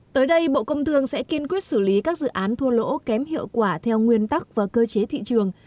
tới đây bộ công thương sẽ kiên quyết xử lý các dự án thua lỗ kém hiệu quả theo nguyên tắc và cơ chế thị trường